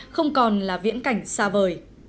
không còn là viễn cảnh xa vời